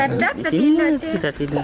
tidur di sini